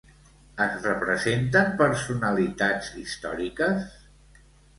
Es representen personalitats històriques?